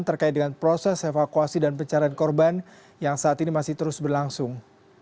terkait dengan proses evakuasi dan pencarian korban yang saat ini masih terus berlangsung